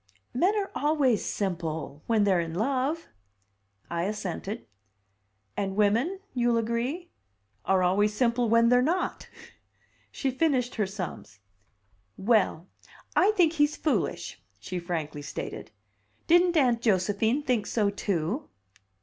"Men are always simple when they're in love." I assented. "And women you'll agree? are always simple when they're not!" She finished her sums. "Well, I think he's foolish!" she frankly stated. "Didn't Aunt Josephine think so, too?"